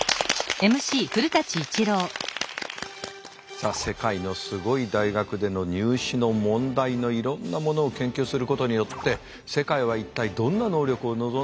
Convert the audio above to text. さあ世界のすごい大学での入試の問題のいろんなものを研究することによって世界は一体どんな能力を望んでいるのか。